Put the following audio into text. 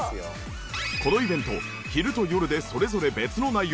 このイベント昼と夜でそれぞれ別の内容。